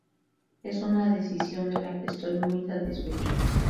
Es una decisión de la que estoy muy satisfecho.